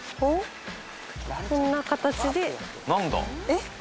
こんな形で何だ？